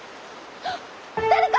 誰か！